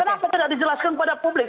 kenapa tidak dijelaskan kepada publik